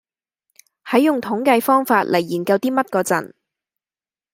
喺用統計方法嚟研究啲乜嗰陣